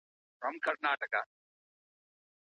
وچه مېوه روغتیا ته څه ګټه لري؟